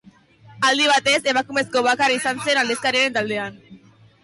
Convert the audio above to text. Aldi batez, emakumezko bakar izan zen aldizkariaren taldean.